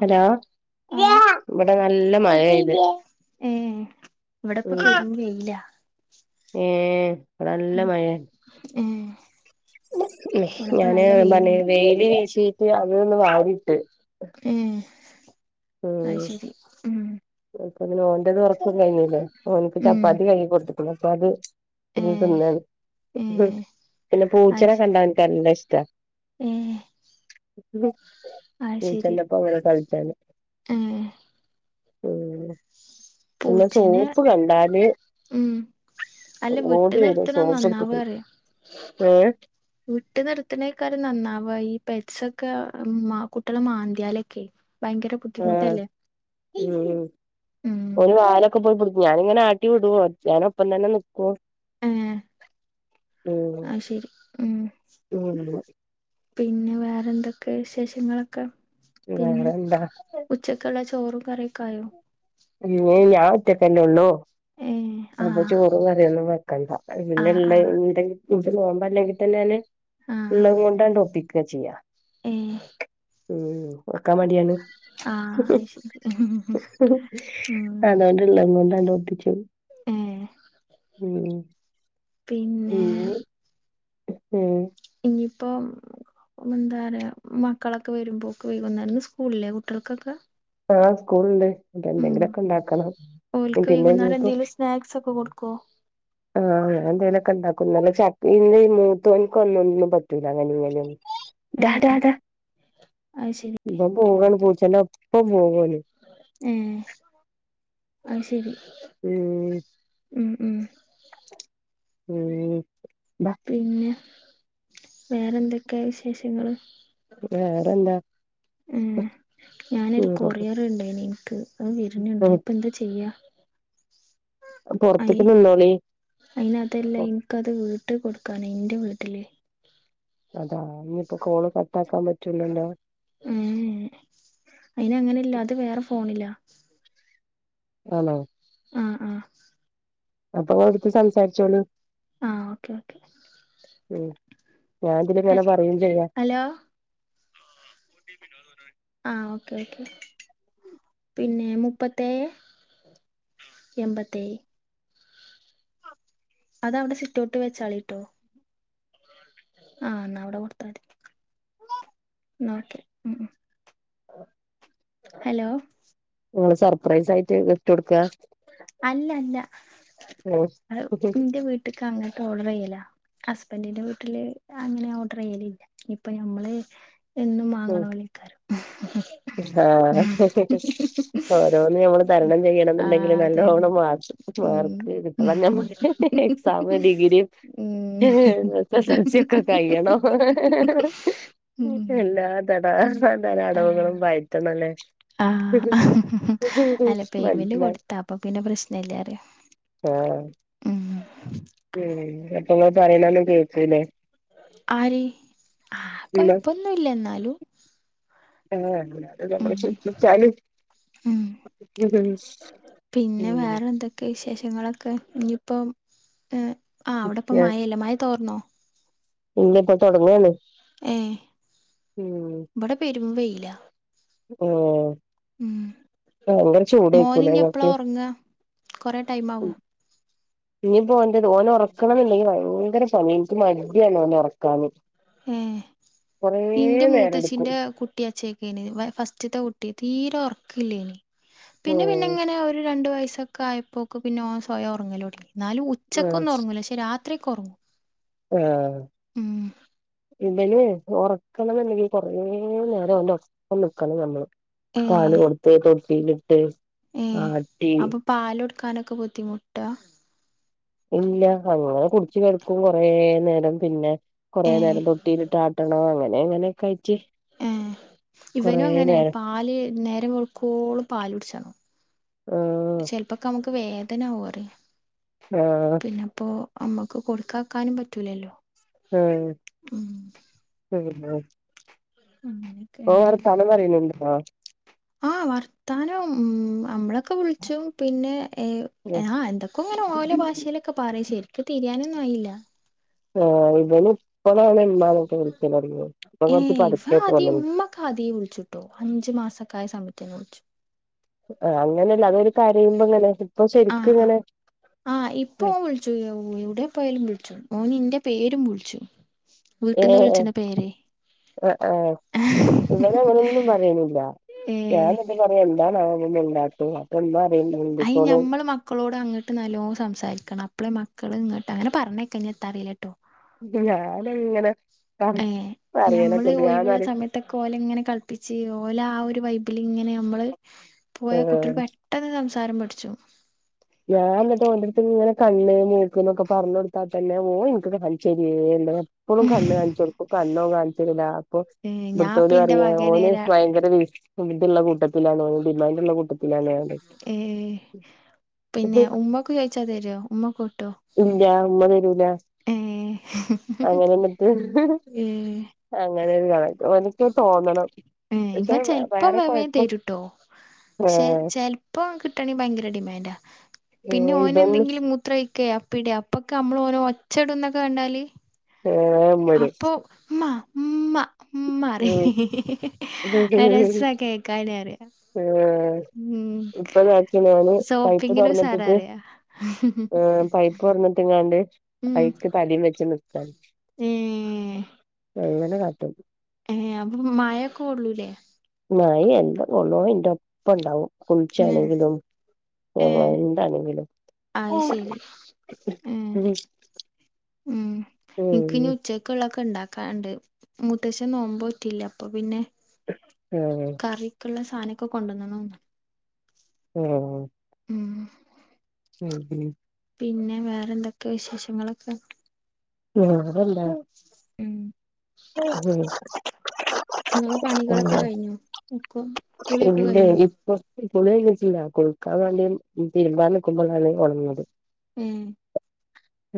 Hello ആഹ് ഇവടെ നല്ല മഴേയ്ത് ഏഹ് ഇവടപ്പം പെരുംവെയിലാ ഏഹ് [unintelligible] ഏഹ് ഉം ഇവിടെപ്പ ഞാന് നല്ല ന്നാല് വെയിലുണ്ട് വെയില് വീശീട്ട് അതൊന്ന് വാരിട്ട് ഏഹ് അയ് ശരി ഉം [unintelligible] ഓന്റെത് ഒറക്കം കഴിഞ്ഞീല്ലേ ഓനക്ക് ഉം ചപ്പാത്തി കയ്യിൽ കൊട്ത്ത്ക്കുന്നു ഇപ്പൊ അത് പിന്ന ഏഹ് തിന്നാണ് ഏഹ് പിന്നെ അത് പൂച്ചനെ കണ്ട ശരി എനിക്ക് നല്ല ഇഷ്ടം ഇഷ്ട ഏഹ് പൂച്ചന്റെ ഒപ്പം അങ്ങനെ കളിച്ചാണ് മം ഉം പിന്നെ പൂച്ചനെ സോപ്പ് കണ്ട ഉം അല്ല വിട്ട് ഓടി വരും നിർത്തണം സോപ്പ് നന്നാവൂ എടുത്തിട്ട് അറിയ ഏഹ് വിട്ട് നിർത്തുന്നേക്കാര് നന്നാവ ഈ പെറ്റ്സൊക്കെ കുട്ടികള മാന്തിയാലൊക്കെ ഭയങ്കര ആ ബുദ്ധിമുട്ടല്ലേ ഉം ഉം ഉം ഒരു വാല് ഒക്കെ പോയി പുടി ഞാനിങ്ങനെ ആട്ടി വിടു ഞാൻ ഒപ്പം തന്നെ നിക്കക്കോ ആ ആയ് ശരി ഉ ഉം പിന്നെ വേറെ എന്തൊക്കെ വിശേഷങ്ങളൊക്കെ പിന്നെ വേറെന്താ ഉച്ചക്കുള്ള ചോറും കറി യോക്കായോ ഞാൻ ഒറ്റയ്ക്ക് അല്ലേ ഉള്ളൂ ഏ അപ്പൊ ആഹ് ചോറും കറിയൊന്നും വെക്കണ്ട ആഹ് പിന്നെള്ള ആഹ് എന്തെ ഇത് മോൻ അല്ലെങ്കിൽ തന്നൊന് ഉള്ളത് കൊണ്ട് ഒപ്പിക്കുക ചെയ ഹേ ഉം വക്കാൻ മടിയാണ് ആഹ് അത് ശരി ഉം അതുകൊണ്ടല്ല അതുകൊണ്ടാണ [unintelligible] ഏ ഉം പിന്നെ ഹും ഇപ്പൊ എന്താ പറയാ മക്കളൊക്കെ വരുമ്പോ ഓക്കെ വൈകുന്നേരംസ്കൂളില്ലേ കുട്ടികൾക്കൊക്കെ ആ സ്കൂൾ ഉണ്ട് ഉം എന്തെങ്കിലും ഒക്കെ ഉണ്ടാക്കണം ഓൽക്ക് പിന്നെ വൈകുന്നേരം ഇനിയിപ്പോ എന്തെങ്കിലും സ്നാക്സ് ഒക്കെ കൊടുക്കോ ആ എന്തേങ്കലൊക്കെ ഉണ്ടാക്കല്ല ഇന്നലെ ചക്ക മൂത്തോൻക്ക് അവിന് ഒന്നും അങ്ങനെ ഇങ്ങനെ ഒന്നും പറ്റൂല അങ്ങനെ ഇങ്ങനെയൊന്നും ഏ ഡാ ഡാ അത് ശരി ഇവൻ പോകുവാന് പൂച്ചന്റെ ഒപ്പം പോവാണ് ആയ് ശരി ഉം ഉം ഉം ഉം ബാ പിന്നെ വേറെന്തൊക്കെയാ വിശേഷങ്ങള് വേറെന്താ ഉം ഞാനൊരു ഉം കൊറിയർ ഉണ്ടായിന ഇ നിക്ക് അത് വരുന്നുണ്ട് ഉം അപ്പൊ എന്താ ചെയ്യാ അ പൊറത്ത്ക്ക് നിന്നോളി അയിന് അതല്ല എനിക്ക് അത് വീട്ട് കൊടുക്ക ക്കാൻ ഇന്റെ വീട്ടില് അതാ ഇനിയിപ്പോ കോള് കട്ടാക്കാൻ പറ്റു ഉം അയിന് അങ്ങനെല്ല അത് വേറെ ഫോണില്ല ആണോ ആ ആ അപ്പൊ ഇങ്ങൾട്ത്ത് സംസാരിച്ചോളൂ ആ ഓക്കെ ഓക്കെ ഉം ഞാൻ ഇതിലിങ്ങനെ പറയും ചെയ്യാ ആ ഓക്കെ ഓക്കെ പിന്നെ മുപ്പത്തേഴേ എൺമ്പത്തേഴ് അത അവിടെ സിറ്റോട്ടിൽ വെച്ചാളിട്ടോ ആ ന്നാ അവിടെ കൊടുത്താദി ന്നാ ഒക്കെ ഉം ഉം ഹലോ ങ്ങള് സർപ്രൈസ് ആയിട്ട് ഗിഫ്റ്റ് കൊടുക്കാ അല്ല അല്ല ഉം അത് ഇന്റെ വീട്ടിക്ക് അങ്ങോട്ട് ഓർഡർ ചെയ്യലാ ഹസ്ബന്റിന്റെ വീട്ടില് അങ്ങനെ ഓർഡർ ചെയ്യലില്ല ഇപ്പൊ നമ്മള് എന്നും മാങ്ങണോ ലൈക്കാരം ആഹ ഓരോന്ന് ഞമ്മള് തരണം ചെയ്യണം ആഹ് അതെതെ നല്ലോണ്ണം മാർ ഉം മാർക്ക് കിട്ടണം ഞമ്മക് എക്സാമും ഡിഗ്രിയും ഏഹ് പ്രതിസന്ധി യൊക്കെ കഴിയണം എല്ലാതടാ പല അടവുകളും ണല്ലേ ആ അല്ല മനസ്സിലായി പേയ്മെന്റ് കൊടുത്താ അപ്പൊ പിന്നെ പ്രശ്നല്ലറിയ ആഹ ഉ അപ്പൊ ഇങ്ങൾ പറിനൊന്നും കേൾക്കൂലെ ആര് ആ കൊഴപ്പൊന്നുംല്ല ന്നാലും ആഹ അതത് നമ്മൾ ശിക്ഷിച്ചാലും ഉം [unintelligible] ഉ ഉം ങ്ങളൊക്കെ ഇനിയിപ്പോം ഏഹ് അവിടെപോ മഴല്ലേ മഴ തോർന്നോ ഇല്ല്യപ്പൊ തുടങ്ങാണ് ഏ ഇവിടെ പെരും വൈലാ ഉം ഭയങ്കര മോന് ചൂട്‌കുംലെ ഇനി എപ്പളാ ങ്ങക്ക് ഒറങ്ങാ കൊറെ ടൈം ആവോ ഇനി പോന്റ്ത് ഓനെ ഉറക്കണംന്നില്ലെങ്കിൽ ഭയങ്കര പണി എനിക്ക് മടിയാണ് ഓനെ ഉറക്കാന് ഏഹ് ഇന്റെ നേരം എടുക്കും മൂത്തച്ചിന്റെ കുട്ടി അച്ചേക്കെനി ഫസ്റ്റ്ത്തെ തീരെ ഉറക്കില്ലെനി പിന്നെ പിന്നെ ഉം ഇങ്ങനെ ഒരു രണ്ട് വയസ് ക്കെ ആയപ്പോക്ക് പിന്നെ സ്വയം ഉറങ്ങലോടങ്ങി എന്നാലും ഉച്ചക്കൊന്നും ഉറങ്ങൂല്ല പക്ഷെ രാത്രി ഒക്കെ ഉറങ്ങും ആ ഇമ്പന് ഉറക്കണം ന്ന്ണ്ടെങ്കിൽ കൊറേ നേരം അവന്റെ ഒപ്പം നിൽക്കണം നമ്മള് ഏ പാല് കൊടുത്ത് തൊട്ടിയിലിട്ട് ആട്ടി ക്കാനൊക്കെ ബുദ്ധിമുട്ടാ ഇല്ല അങ്ങനെ കുടച്ച്കിടക്കും കൊറേ നേരം പിന്നെ കുറെേ ഏ നേരം തൊട്ടിയിലിട്ടാട്ടണം അങ്ങനെ അങ്ങനെക്കായിട്ട് ഏ ഇവനും അങ്ങനെ പാല് നേരം വെളുക്കോളാം പാല് കുടിച്ചണം ആഹ് ചെലപ്പോക്കെ നമുക്ക് വേദന ആവും റിയ ആഹ ഞമ്മക് കൊടുക്കാക്കാനും പറ്റൂലല്ലോ ആഹ് ഉം ആ ഓൻ അങ്ങനെയൊക്കെയാണ് അറിയ. വർത്താനപറയുണ്ടോ ആഹ് വർത്താനം ഉം നമ്മളൊക്കെ ക്കെ വിളിച്ചും പിന്നെ ആഹ് ഏഹ് എന്തൊക്കെ ഇങ്ങനെ ഓലോ ഭാഷയിലൊക്കെ പറയും ശരിക്കും യ്ക്ക് തിരിയാനൊന്നും ആയില്ല ആ ഇവന് ഇപ്പളാണ് മ്മ നൊക്കെ വിളിക്കൽ തൊടങ്ങിയെ [unintelligible] ട്ടോ അഞ്ചു മാസക്കായ സമയത്തെന്നെ വിളിച്ചു ആ അങ്ങനെയല്ല അതൊരു കരയുമ്പോ അങ്ങനെ ആ ആ ആ ഇപ്പോ ഓൻ വിളിച്ചും എവിടെ പോയാലും വിളിച്ചും ഓൻ എന്റെ പേരും വിളിച്ചു വീട്ടീന്ന് വിളിച്ചന്റെ പേരെ. ആ ആ ഇവനങ്ങനൊന്നും പറയണില്ല. ഏഹ് ഞാനിട്ട് പറയാ എന്താടാ മിണ്ടാട്ടും അപ്പ അത് ഞമ്മൾ മക്കളോട് അങ്ങോട്ട് നല്ലോ സംസാരിക്കണം. ഇപ്പോളെ മക്കൾ ഇങ്ങോട്ട് അങ്ങെ പറഞ്ഞേക്കെ എത്ത അറിയില്ല കേട്ടോ? ഇത് ഞാനിങ്ങനെ ഏ ഞമ്മള് ഒഴിവുള്ള സമയത്തൊക്കെ ഓലെ ഇങ്ങനെ കളിപ്പിച്ച് ഓല ആ ഒരു വെബില് ഇങ്ങനെ നമ്മള് പോയ കുട്ടികൾ പെട്ടെന്ന് സംസാരം പഠിച്ചു. ഞാന്ന്ട്ട് ഓന്റെട്ത്ത് ഇങ്ങനെ കണ്ണ്, മൂക്ക്ന്നൊക്കെ പറ്ഞ്ഞൊടുത്താ തന്നെ ഓൻ ഇന്ക്ക് [unintelligible] പ്പളും കണ്ണ് കാണ്ച്ചൊട്ക്കും കണ്ണോ കാണ്ച്ചലില്ലാ അപ്പൊ ഏ ഞാൻ ഇപ്പ ഇന്റെ ഇബട്ത്തോലർയേലൊ മകന് ഓല് രാ ഭയങ്കര വീ ഹുങ്ങ്ന്റിള്ള കൂട്ടത്തിലാണോ ഡിമാന്റുള്ള കൂട്ടത്തിലണോ [unintelligible] ഏ ഉം പിന്നെ [unintelligible] ഉമ്മക്ക് ചോദിച്ചാ തരോ ഉമ്മക്ക് കൂട്ടോ ഇല്ലാ ഉമ്മ വരൂല്ലാ ഏ അങ്ങനെങ്ങട്ട് ഏ അങ്ങനൊരു കാ ഓനിക്കി തോന്നണം. ഏ പക്ഷേ വേ വേറെ കൊഴപ്പം ക്ഷേ ഏഹ് ചെല്പ്പം കിട്ടാണെ ഭയങ്കര ഡിമാന്റാ പിന്നെ ഇതൊന്നും ഓനെന്തെങ്കിലും മൂത്രൊഴിക്കേ അപ്പിയിടെ അപ്പൊക്കെ അമ്മള് ഓനോ ഒച്ചടുന്നൊക്കെ കണ്ടാല് ഏഹ് വരും അപ്പൊ മ്മ ഉമ്മ ഉമ്മാറി അത് രസവാ കേക്കാനറിയാ ആഹ് ഇപ്പൊതാക്കി ഞാന് പൈപ്പ് സോപ്പിങ്ങിനും ഉസാറ് തൊറന്നിട്ടിട്ട് പറയാ പൈപ്പ് തൊറന്നിട്ടിങ്ങാണ്ട് ഉം പൈപ്പ് തലേം വെച്ച് നി ക്കാണ് ഏ അങ്ങനെ കാട്ടും ഏഹ് അപ്പൊ മയൊക്കെ കൊള്ളൂല്ലേ? മയയെ എന്തോ കെള്ളണെ എന്റെ ഒപ്പം ഉണ്ടാവും ഏ കുളിച്ചാണെങ്കിലും. ഏ ഇനി എന്താണെങ്കിലും അത് ശരി ഏ ഉം ഉം. എൻക്ക് ഉം ഇനി ഉച്ചക്കുള്ളക്കൊ ക്കൊണ്ടാക്കാണ്ട്. മുത്തശ്ശൻ നോമ്പുനോറ്റില്ല അപ്പൊ പിന്നെ ഉം. ഉള്ള സാനൊക്കെ കൊണ്ടുവന്നണുന്ന് ഉം ഉം ഉം ഉം പിന്നെ വേറെ എന്തൊക്കെയാ വിശേഷങ്ങളൊക്കെ? വേറെന്താ ഉം ഉം ങ്ങളെ പണികളൊക്കെ കയിഞ്ഞോ ഒക്കും കുളിയൊക്കെ ഇന്റെ കയിഞ്ഞോ? ഇപ്പൊ കുളി കഴിഞ്ഞിട്ടില്ല കുളിക്കാൻ വേണ്ടി തിരുമ്പാൻ നിക്കുമ്പളാണ് ഒണന്നത്. ഉം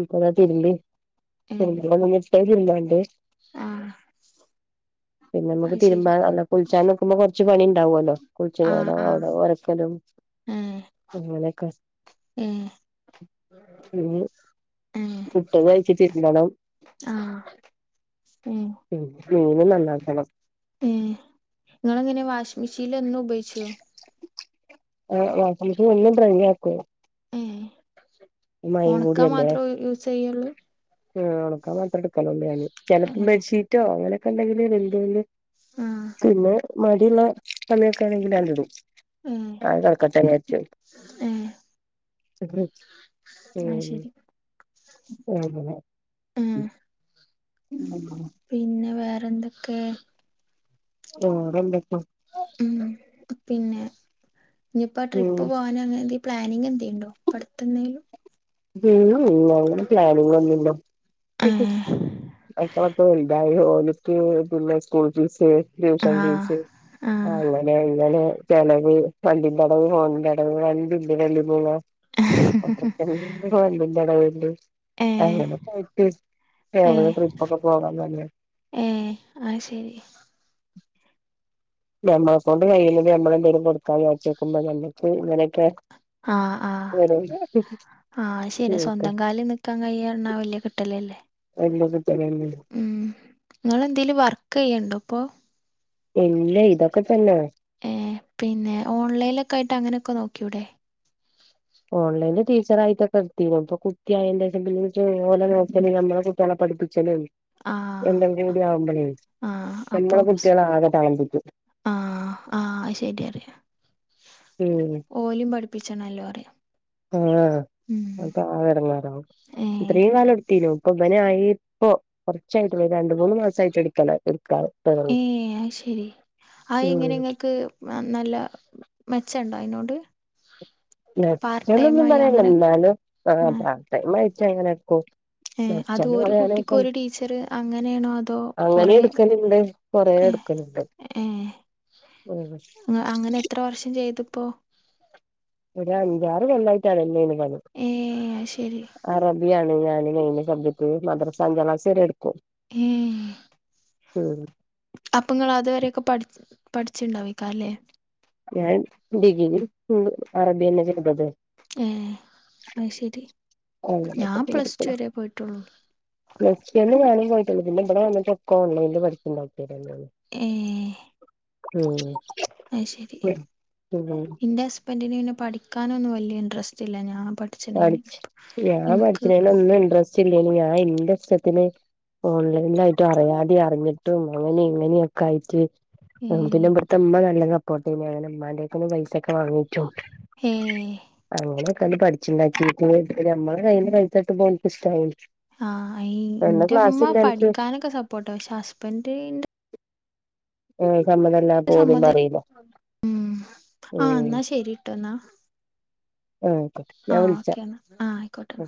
എപ്പളാ തിരുമ്പിയേ ഏ [unintelligible] ആ പിന്നെ മ്മക്ക് അത് ശരി തിരുമ്പാൻ അല്ല കുളിച്ചാൻ നിക്കുമ്പോ കുറച്ച് പണി ഇണ്ടാവല്ലോ? ആ കുളിച്ചിനോടോ ആ അവിടെ ഒരക്കലും ഏ അങ്ങനെയൊക്കെ ഏ ഇനി ഏ പുട്ടും കഴിച്ച് തിരുമ്പണം ആ ഏഹ് മീനും നന്നാക്കണം ങ്ങളങ്ങനെ വാഷ് മിഷീനിൽ എന്നും ഉപയോഗിച്ചോ ആഹ് വാഷിംഗ് മെഷീൻ എന്നും ഡ്രൈ ആക്കും ഉണക്കാൻ മാത്രേ യൂസ് ചെയ്യുള്ളൂ ആഹ് ഉണക്കൻ മാത്രം എടുക്കലൊള്ളൂ ഞാൻ ചിലപ്പം ഏഹ് ബെഡ്ഷീറ്റോ അങ്ങനൊക്കെ ഉണ്ടെങ്കിൽ വലിയ വലിയ ആഹ് പിന്നെ മടിയുള്ള സമയൊക്കാണെങ്കിൽ ആണ്ടിടും ഏഹ് ആഹ് കിടക്കട്ടെ ന്ന് വിചാരിച്ചു ആഹ് ഉം ശരി അങ്ങനെ ആഹ് പിന്നെ വേറെന്തൊക്കെ വേറെന്തൊക്കെ ഉം പിന്നെ ഇനിപ്പോ ആ ട്രിപ്പ് ഉം പോകാന അങ്ങനെന്തെങ്കിലും പ്ലാനിങ് എന്തേലും ഉണ്ടോ ഇപ്പൊ അടുത്തെ എന്തേലും [unintelligible] ഇല്ല അങ്ങനെ പ്ലാനിങ് ഒന്നുംല്ല ഹി ഹി ഹി ഏഹ് മക്കളൊക്കെ വലുതായി ഓല് ക്ക് പിള്ളേ സ്കൂൾ ഫീസ് ട്യൂഷൻ ആഹ് ഫീസ് ആഹ് അങ്ങനെ ഇങ്ങനെ ചെലവ് വണ്ടിന്റടവ് ഫോണിന്റടവ് വണ്ടിണ്ട് രണ്ട് മൂന്നാ ഹേ ഹ് ഹ് ഹ് ഹ് ന്റെ അടവുണ്ട് അങ്ങനെക്കെയായിട്ട് എവിടെ ഏഹ് ട്രിപ്പൊക്കെ പോകാൻ സമയം ഏഹ് അത് ശരി [unintelligible] കൊണ്ട് കഴിയണില്ല നമ്മളെന്തേലും കൊടുക്കാന്ന് [unintelligible] ഇങ്ങനെ ആഹ് ആഹ് [unintelligible] ആഹ് ശരിയാ ഒക്കെ സ്വന്തം കാലില് നിൽക്കാൻ കഴിയെന്നു പറഞ്ഞാ വല്യ കിട്ടലല്ലേ വല്യ കിട്ടലന്നേ. നിങ്ങള് എന്തേലും വർക്ക് ചെയ്യണ്ടോ ഇപ്പൊ ഇല്ല ഇതൊക്ക തന്ന. ഏഹ് പിന്നെ ഓൺലൈനിലൊക്കെ ആയിട്ട് അങ്ങനൊക്കെ നോക്കൂടെ ഓൺലൈനില് ടീച്ചർ ആയിട്ടൊക്കെ എടുത്തീനു ഇപ്പ കുട്ടിയായേന്റെഷം പിന്നെ [unintelligible] ഓല നോക്കല്, അമ്മള കുട്ട്യള പ പടിപ്പിച്ചനം. ആ രണ്ടും കൂടി ആവുമ്പഴേ ആ നമ്മള കുട്ട്യളെ ആകെ താളം തെറ്റും. ആഹ് ആഹ് അത് ശെരിയാ പറയാ ഉം ഓലും പഠിപ്പിച്ചണല്ലോ പറയും. ആഹ് അത് ആകെ എടങ്ങേറ് ആവും. ഏ ഇത്രയും കാലം എടുത്തീനു ഇപ്പൊ ഇബനായി ഇപ്പൊ കുറച്ചായിട്ടുള്ളു രണ്ട് മൂന്ന് മാസായിട്ട് [unintelligible] തുടങ്ങി ഏഹ് അത് ശരി. അയ് ഉം എങ്ങനെ ഇങ്ങക്ക് നല്ല മെച്ചണ്ടോ അയിനോട് പാർട്ട് ടൈം മെച്ചൊന്നൊന്നും ആയി പറയാനില്ല അങ്ങനെ എന്നാലും ആ ആഹ് പാർട്ട് ടൈം ആയിട്ട് അങ്ങനെ എടുക്കും ഏ അത് മെച്ചൊന്നു ഒരു കുട്ടിക്ക് പറയാനിപ്പ ഒരു ടീച്ചർ അങ്ങനെയാണോ അതോ അങ്ങനെ കൊറേ എടുക്കലുണ്ട് കൊറേ എടുക്കലുണ്ട്. ഉം ഏഹ് അങ്ങനെ എത്ര വർഷം ചെയ്തിപ്പോ ഒരു അഞ്ചാറ് കൊല്ലായിട്ട് അതന്നെണ് പണി. ഏ അത് ശരി അറബി [unintelligible] [unintelligible] ഞാന് മെയിന് സബ്ജക്റ്റ് മദ്റസ അഞ്ചാം ക്ലാസ് വരെ എടുക്കും. ഏഹ്. മ്ഹ് അപ്പൊ ഇങ്ങള് അതുവരെയൊക്കെ പടിച്ചു, പഠിച്ചു ഇണ്ടാവിക്കാം അല്ലേ ഞാൻ ഡിഗിരി അറബി അന്നെ ചെയ്തത്. ഏഹ്. [unintelligible] പിന്നെ പിന്നെ പ്ലസ് ടു വരെ പോയിട്ടുള്ളൂ ഇബടെ വന്നിട്ട് ഒക്കെ ഓൺലൈനിൽ പഠിക്കേണ്ട [unintelligible] ഉം അയ് ശെ ഉം എൻ്റെ പിന്നെ പഠിക്കാനൊന്നും വലിയ ഇൻട്രസ്റ്റില്ല ഞാ പഠിച് ഞാൻ പഠിചനെനൊന്നും ഇൻട്രസ്റ്റ് ഇല്ലേയ്‌നു ഞാൻ ഇന്റഷ്ടത്തിന് ഓൺലൈനിലായിട്ടും അറിയാതേം അറിഞ്ഞിട്ടും അങ്ങനെ ഇങ്ങനൊക്കായിട്ട് ഏ ഉം പിന്നേ ഇബടത്തെമ്മ നല്ല സപ്പോർട്ടേര്ന്നു അങ്ങനെമ്മാന്റെക്കന്ന് പൈസക്കെ വാങ്ങി യും ഏ അങ്ങനെക്കെണ്ട്‌ പഠി ചിണ്ടാക്കീക്കണ് നമ്മളെ കയ്യിൽ പൈസട്ട്മ്പോ ഓല്ക്ക്ഷ്ടാവൂ ആഹ് ഇ ഇന്റെമ്മ അനക്ക് പഠിക്കാനൊക്കെ സപ്പോർട്ട പക്ഷെ ഹസ്ബന്റി ന്റെ ഏഹ്. സമ്മതല്ലാതെ പോലും സമ്മതം പറയില്ല ഉം ആ ഉം. എന്നാ ശരിട്ടോ ആഹ് ആയിക്കോട്ടെ ഞാൻ ആഹ് വിളിച്ചാ ഓക്കേന്ന ആഹ് ആയിക്കോട്ടെന്ന.